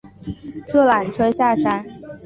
坐缆车下山